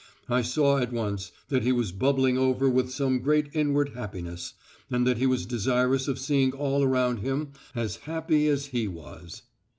I saw at once that he was bubbling over with some great inward happiness, and that he was desirous of seeing all around him as happy as he was.